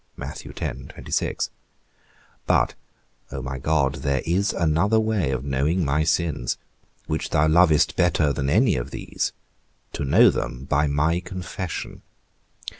But, O my God, there is another way of knowing my sins, which thou lovest better than any of these; to know them by my confession.